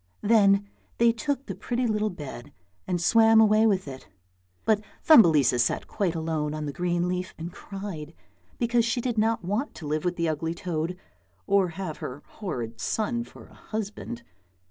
Then they took the pretty little bed and swam away with it, but Thumbelisa sat quite alone on the green leaf and cried because she did not want to live with the ugly toad, or have her horrid son for a husband.